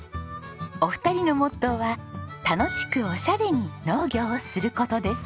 お二人のモットーは楽しくオシャレに農業をする事です。